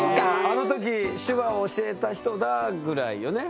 あの時手話を教えた人だぐらいよね？